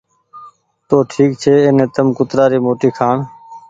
تو ٺيڪ ڇي ايني تم ڪترآ ري موٽي کآڻي